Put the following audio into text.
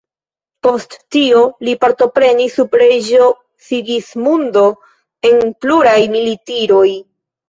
Post tio li partoprenis sub reĝo Sigismundo en pluraj militiroj.